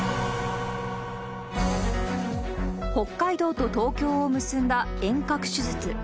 北海道と東京を結んだ遠隔手術。